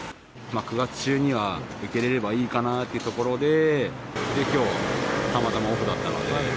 ９月中には受けれればいいかなっていうところで、きょう、たまたまオフだったので。